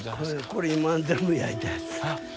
これ全部焼いたやつ。